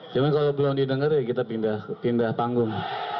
cuma kalau belum didengar ya kita pindah panggung